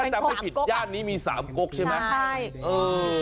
ถ้าจำไม่ผิดญาตินี้มีสามก๊อกใช่ไหม